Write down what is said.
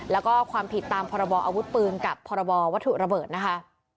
แล้วก็ความผิดตามพรบออาวุธปืนกับพรบวัตถุระเบิดนะคะ